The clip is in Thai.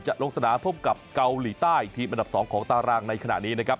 ลงสนามพบกับเกาหลีใต้ทีมอันดับ๒ของตารางในขณะนี้นะครับ